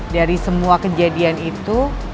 dari semua kejadian itu